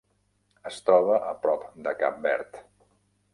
Es troba a prop de Cap Verd.